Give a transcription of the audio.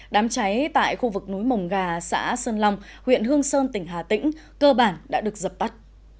đám cháy tại khu vực núi mồng gà xã sơn long huyện hương sơn tỉnh hà tĩnh cơ bản đã được dập tắt